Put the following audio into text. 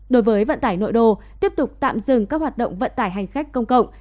đối với vận tải nội đô tiếp tục tạm dừng các hoạt động vận tải hành khách công cộng